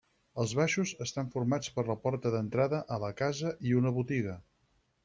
Els baixos estan formats per la porta d'entrada a la casa i una botiga.